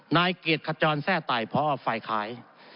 นายกรีดขจรแทร่ตายเพราะออกฝ่ายขาย